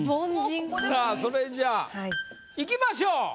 さあそれじゃあいきましょう。